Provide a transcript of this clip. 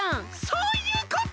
そういうこと！